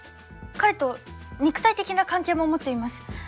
彼と肉体的な関係も持っています。